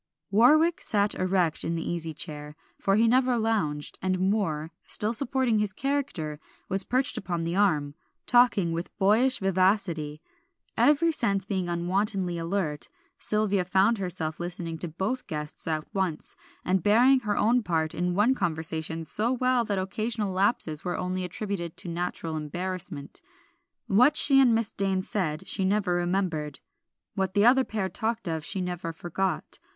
Warwick sat erect in the easy chair, for he never lounged; and Moor, still supporting his character, was perched upon the arm, talking with boyish vivacity. Every sense being unwontedly alert, Sylvia found herself listening to both guests at once, and bearing her own part in one conversation so well that occasional lapses were only attributed to natural embarrassment. What she and Miss Dane said she never remembered; what the other pair talked of she never forgot.